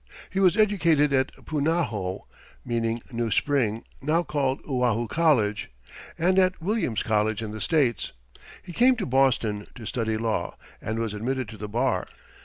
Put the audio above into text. He was educated at Punahou, meaning new spring, now called Oahu College, and at Williams College in the States. He came to Boston to study law, and was admitted to the bar.